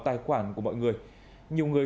tài khoản của mọi người nhiều người